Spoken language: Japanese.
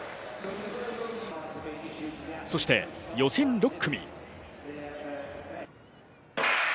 そして予選６組。